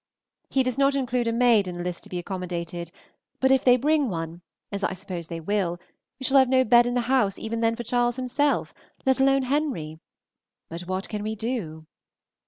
He does not include a maid in the list to be accommodated; but if they bring one, as I suppose they will, we shall have no bed in the house even then for Charles himself, let alone Henry. But what can we do?